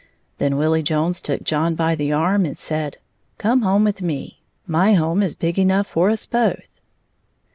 Then Willie Jones took John by the arm and said: "Come home with me. My home is big enough for us both."